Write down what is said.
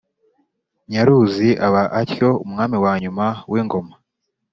nyaruzi aba atyo umwami wa nyuma w'ingoma